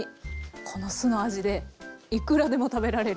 この酢の味でいくらでも食べられる。